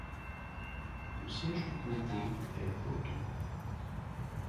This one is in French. Le siège du comté est Poteau.